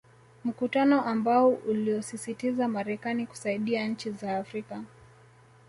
Mkutano ambao uliosisitiza Marekani kusaidia nchi za Afrika